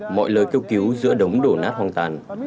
mọi lời kêu cứu giữa đống đổ nát hoang tàn